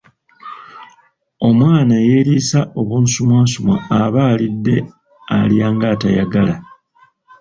Omwana eyeriisa obunsumwansumwa aba alidde alya ngatayagala.